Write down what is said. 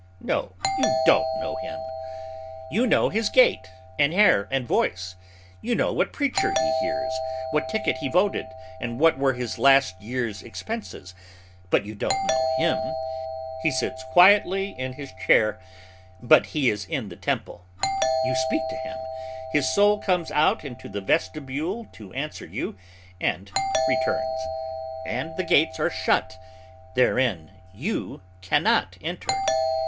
No, you don't know him. You know his gait, and hair, and voice. You know what preacher he hears, what ticket he voted, and what were his last year's expenses; but you don't know him. He sits quietly in his chair, but he is in the temple. You speak to him; his soul comes out into the vestibule to answer you, and returns, and the gates are shut; therein you can not enter.